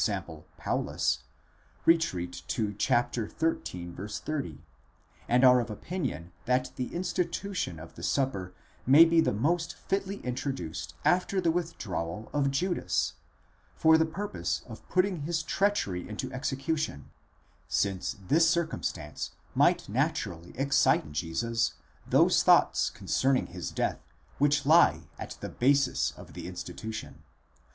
Paulus, retreat to xili. 30, and are of opinion that the institution of the Supper may be the most fitly introduced after the withdrawal of Judas, for the purpose of putting his treachery into execution, since this circumstance might naturally excite in Jesus those thoughts concerning his death which lie at the basis of the insti tution.